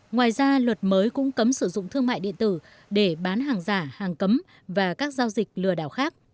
ngoài ra luật mới cũng cấm sử dụng thương mại điện tử để bán hàng giả hàng cấm và các giao dịch lừa đảo khác